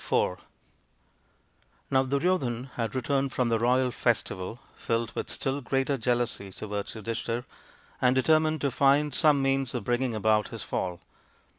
IV Now Duryodhan had returned from the royal festival filled with still greater jealousy towards Yudhishthir, and determined to find some means of bringing about his fall.